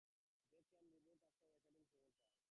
They then drove it off after it attacked a second time.